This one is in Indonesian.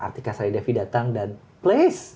artika sari devi datang dan place